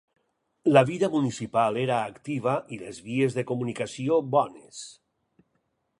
La vida municipal era activa i les vies de comunicació bones.